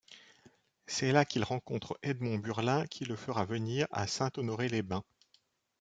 C'est là qu'il rencontre Edmond Burlin qu'il le fera venir à Saint-Honoré-les-Bains.